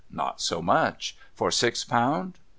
Not so much. For six pound?